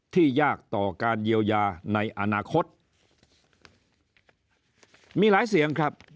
ยากต่อการเยียวยาในอนาคตมีหลายเสียงครับ